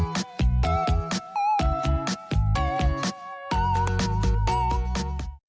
สวัสดีค่ะ